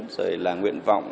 rồi là nguyện vọng